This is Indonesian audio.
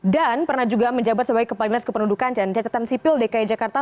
dan pernah juga menjabat sebagai kepala dinas kepenudukan dan cacatan sipil dki jakarta